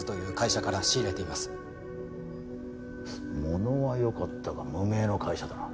物は良かったが無名の会社だな。